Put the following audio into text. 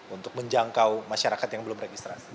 untuk menjangkau masyarakat yang belum registrasi